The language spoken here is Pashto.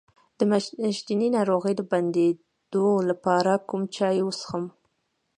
د میاشتنۍ ناروغۍ د بندیدو لپاره کوم چای وڅښم؟